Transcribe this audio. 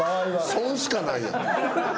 損しかないやん。